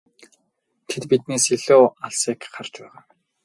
Тэд биднээс илүү алсыг харж байгаа.